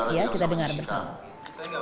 ya kita dengar bersama